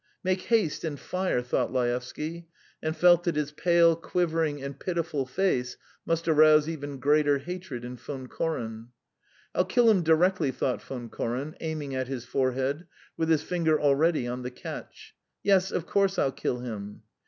"Make haste and fire," thought Laevsky, and felt that his pale, quivering, and pitiful face must arouse even greater hatred in Von Koren. "I'll kill him directly," thought Von Koren, aiming at his forehead, with his finger already on the catch. "Yes, of course I'll kill him."